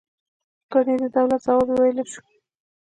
ګنې د دولت ځواب یې ویلای شو.